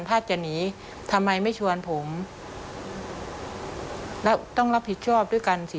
ถ้าจะหนีทำไมไม่ชวนผมแล้วต้องรับผิดชอบด้วยกันสิ